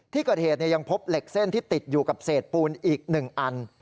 ที่เกิดเหตุยังพบเหล็กเส้นที่ติดอยู่กับเศษปูนอีก๑อัน